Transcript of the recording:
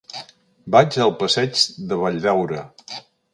Vaig al passeig de Valldaura.